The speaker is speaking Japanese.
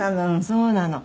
そうなの。